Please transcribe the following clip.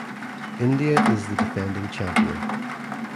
India is the defending champion.